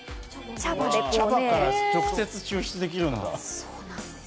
茶葉から直接抽出できるんだ。